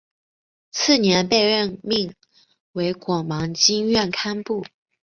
次年被任命为果芒经院堪布。